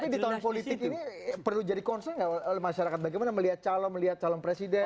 tapi di tahun politik ini perlu jadi concern nggak oleh masyarakat bagaimana melihat calon melihat calon presiden